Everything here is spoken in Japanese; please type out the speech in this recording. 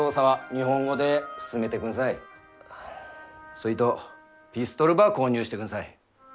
そいとピストルば購入してくんさい。